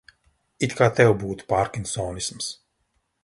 It kā tev būtu pārkinsonisms.